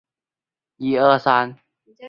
个人奖项颁发给每赛段的冠军队伍。